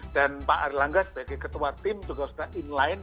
dan pak ari langga sebagai ketua tim juga sudah in line